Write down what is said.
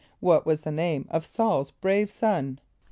= What was the name of S[a:]ul's brave son?